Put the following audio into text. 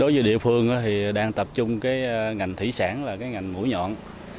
đối với địa phương thì đang tập trung cái ngành thủy sản là cái ngành mũi nhọn